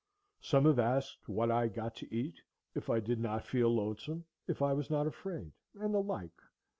Some have asked what I got to eat; if I did not feel lonesome; if I was not afraid; and the like.